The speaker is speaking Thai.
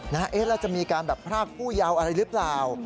แล้วจะมีการแบบพรากผู้เยาว์อะไรหรือเปล่า